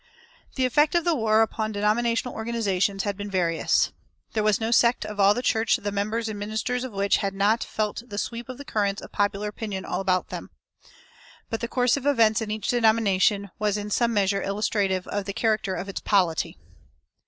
The effect of the war upon denominational organizations had been various. There was no sect of all the church the members and ministers of which had not felt the sweep of the currents of popular opinion all about them. But the course of events in each denomination was in some measure illustrative of the character of its polity.